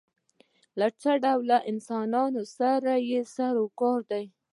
له څه ډول انسان سره یې سر و کار دی.